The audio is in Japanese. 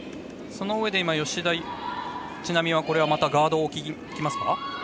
その上で今、吉田知那美はまだガードを置きにきますか？